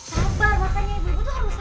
sabar makanya ibu tuh harus sabar